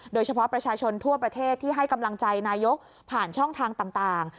โดยเฉพาะประชาชนทั่วประเทศที่ให้กำลังใจนายกผ่านช่องทางต่าง